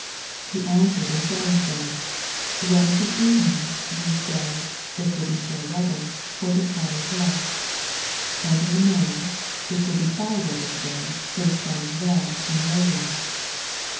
8 He answered and aaid onto them, When it is evening, ye sa^, B wiU h$ fair weather : for we slsy is red. 8 And in the morning, It wiU bi foul weather to day : for the skj ia red and lowring.